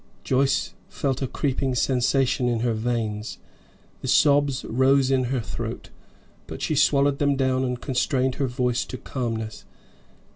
Joyce felt a creeping sensation in her veins, the sobs rose in her throat, but she swallowed them down and constrained her voice to calmness.